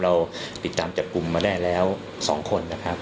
เราติดตามจับกลุ่มมาได้แล้ว๒คนนะครับ